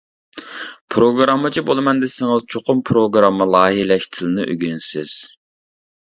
پىروگراممىچى بولىمەن دېسىڭىز، چوقۇم پىروگرامما لايىھەلەش تىلىنى ئۆگىنىسىز.